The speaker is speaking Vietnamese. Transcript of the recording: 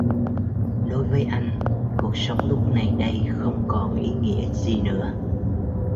Đối với anh Cuộc sống lúc này đây không còn ý nghĩa gì nữa